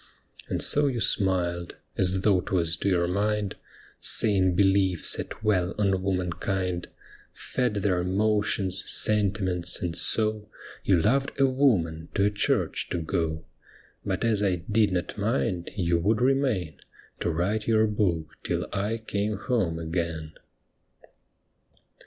And so you smiled, as though 'twas to your mind, Saying belief sat well on womankind, Fed their emotions, sentiments, and so You loved a woman to a church to go. But as I did not mind, you would remain To write your book till I came home again.